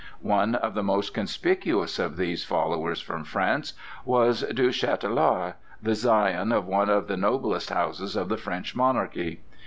One of the most conspicuous of these followers from France was Du Chatelard, the scion of one of the noblest houses of the French monarchy.